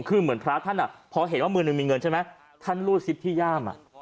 คือเหมือนพระท่านพอเห็นว่ามือหนึ่งมีเงินใช่ไหมท่านรูดซิปที่ย่าม